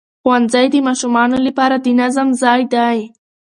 ښوونځی د ماشومانو لپاره د نظم ځای دی